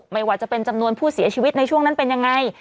ไม่ว่าจะเป็นจำนวนผู้เสียชีวิตในช่วงนั้นเป็นยังไง